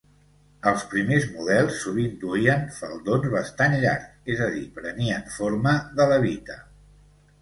Els primers models sovint duien faldons bastant llargs, és a dir, prenien forma de levita.